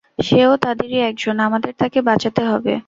সেও তাদেরই একজন, আমাদের তাকে বাঁচাতে হবে।